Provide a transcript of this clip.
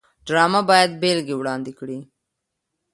ډرامه باید بېلګې وړاندې کړي